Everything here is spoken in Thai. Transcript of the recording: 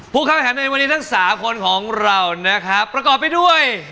ผู้ใช้ด้านใบผ่านในวันนี้ทั้ง๓คนของเราประกอบไปด้วย